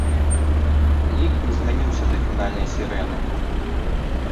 Лік не змяніўся да фінальнай сірэны.